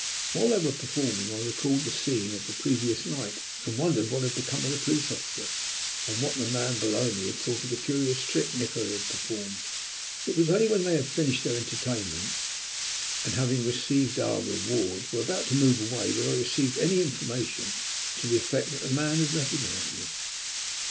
While they were performing I recalled the scene of the previous night, and wondered what had become of the police officer, and what the man below me had thought of the curious trick Nikola had performed? It was only when they had finished their entertainment and, having received our reward, were about to move away that I received any information to the effect that the man had recognized me.